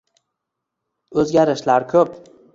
O`zgarishlar ko`p